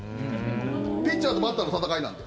ピッチャーとバッターの戦いなので。